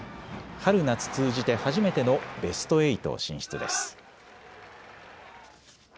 春夏通じて初めてのベスト８進出です。